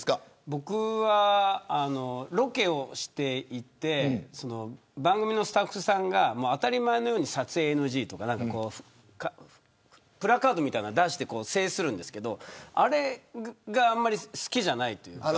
僕は、ロケをしていて番組のスタッフさんが当たり前のように撮影ＮＧとかプラカードみたいなのを出して制するんですけどあれがあんまり好きじゃないというか。